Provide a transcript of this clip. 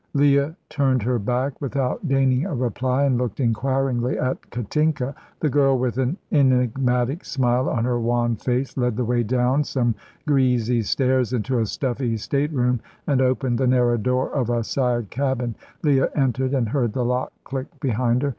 Leah turned her back without deigning a reply, and looked inquiringly at Katinka. The girl, with an enigmatic smile on her wan face, led the way down some greasy stairs, into a stuffy state room, and opened the narrow door of a side cabin. Leah entered and heard the lock click behind her.